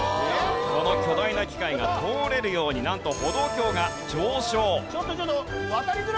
この巨大な機械が通れるようになんとちょっとちょっと！